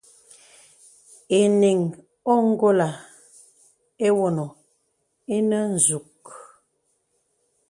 Enīŋ óngolə̀ ewone ìnə nzûg.